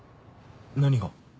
何が？